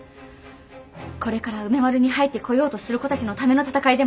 これから梅丸に入ってこようとする子たちのための闘いでもあるの。